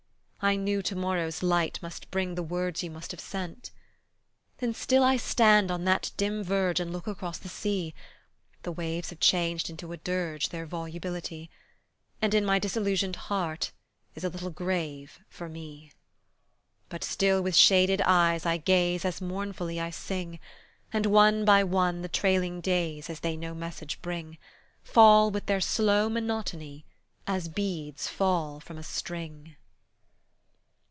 I knew to morrow's light must bring The words you must have sent. And still I stand on that dim verge And look across the sea; The waves have changed into a dirge Their volubility. And in my disillusioned heart Is a little grave for me. But still with shaded eyes I gaze As mournfully I sing, And one by one the trailing days, As they no message bring, Fall with their slow monotony As beads fall from a string.